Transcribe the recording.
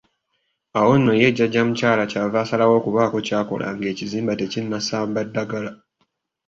Awo nno ye jjajja mukyala ky'ava asalawo okubaako ky'akola ng'ekizimba tekinnasamba ddagala.